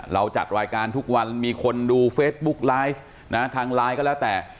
จัดรายการทุกวันมีคนดูเฟซบุ๊กไลฟ์ทางไลน์ก็แล้วแต่